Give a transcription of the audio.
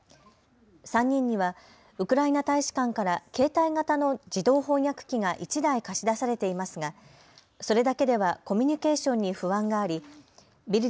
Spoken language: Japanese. ３人にはウクライナ大使館から携帯型の自動翻訳機が１台貸し出されていますがそれだけではコミニュケーションに不安がありヴィル